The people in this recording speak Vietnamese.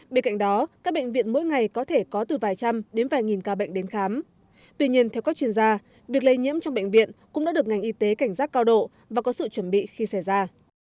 bên cạnh đó các bệnh viện mỗi ngày có thể có từ vài trăm đến vài nghìn ca bệnh đến khám tuy nhiên theo các chuyên gia việc lây nhiễm trong bệnh viện cũng đã được ngành y tế cảnh giác cao độ và có sự chuẩn bị khi xảy ra